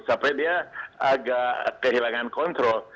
sampai dia agak kehilangan kontrol